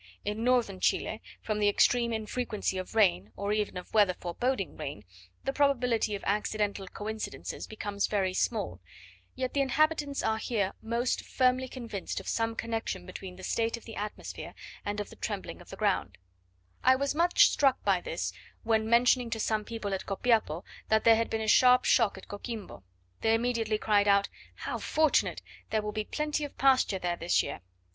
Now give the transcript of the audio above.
In Northern Chile, from the extreme infrequency of rain, or even of weather foreboding rain, the probability of accidental coincidences becomes very small; yet the inhabitants are here most firmly convinced of some connection between the state of the atmosphere and of the trembling of the ground: I was much struck by this when mentioning to some people at Copiapo that there had been a sharp shock at Coquimbo: they immediately cried out, "How fortunate! there will be plenty of pasture there this year."